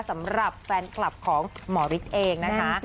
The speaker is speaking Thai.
สำหรับแฟนคลับของหมอฤทธิ์เองนะคะ